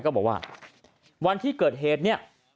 บอกว่าวันที่เกิดเหตุเนี่ย